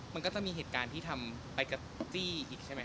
มันก็จะมีเหตุการณ์ที่ทำไปก็จี้ออีกใช่ไหม